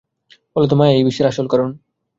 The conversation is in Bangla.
ফলত মায়া-ই এই বিশ্বের আসল কারণ।